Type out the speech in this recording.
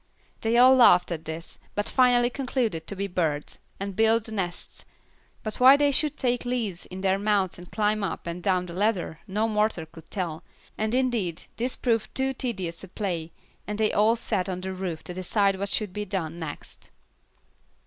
They all laughed at this, but finally concluded to be birds, and build nests, but why they should take leaves in their mouths and climb up and down the ladder no mortal could tell, and indeed this proved too tedious a play, and they all sat on the roof to decide what should be done next.